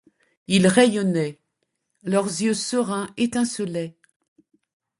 Ils rayonnaient ; leurs yeux sereins étincelaient ;